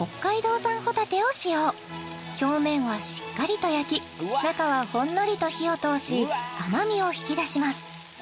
表面はしっかりと焼き中はほんのりと火を通し甘みを引き出します